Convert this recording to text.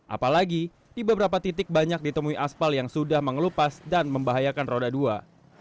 apalagi di beberapa titik banyak ditemui aspal yang sudah mengelupas dan membahayakan roda dua